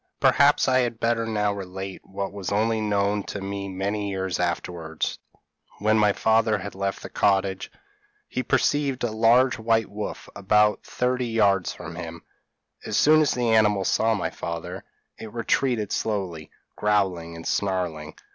p> "Perhaps I had better now relate what was only known to me many years afterwards. When my father had left the cottage, he perceived a large white wolf about thirty yards from him; as soon as the animal saw my father, it retreated slowly, growling and snarling.